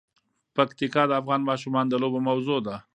پکتیکا د افغان ماشومانو د لوبو موضوع ده.